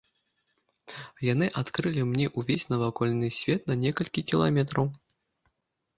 Яны адкрылі мне ўвесь навакольны свет на некалькі кіламетраў.